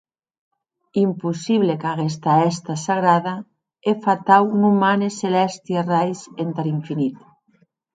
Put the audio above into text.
Impossible qu’aguesta hèsta sagrada e fatau non mane celèsti arrais entar infinit.